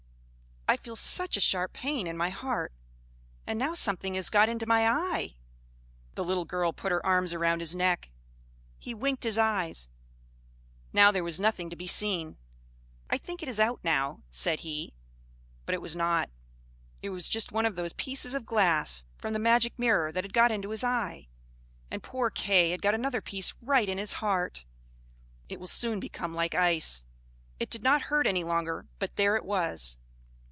I feel such a sharp pain in my heart; and now something has got into my eye!" The little girl put her arms around his neck. He winked his eyes; now there was nothing to be seen. "I think it is out now," said he; but it was not. It was just one of those pieces of glass from the magic mirror that had got into his eye; and poor Kay had got another piece right in his heart. It will soon become like ice. It did not hurt any longer, but there it was.